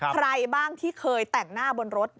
ใครบ้างที่เคยแต่งหน้าบนรถ